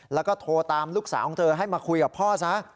แล้วก็โทรตามลูกสาวของเธอให้มาคุยกับพ่อซะ